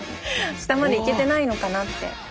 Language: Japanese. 下まで行けてないのかなって。